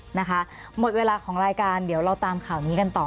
หมดเวลาของรายการเดี๋ยวเราตามข่าวนี้กันต่อ